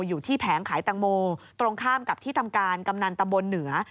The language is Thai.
อยู่ที่แผงขายตังโมตรงข้ามกับที่ทำการกำนันตำบลเหนือ